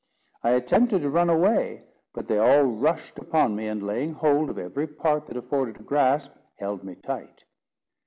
I attempted to run away, but they all rushed upon me, and, laying hold of every part that afforded a grasp, held me tight.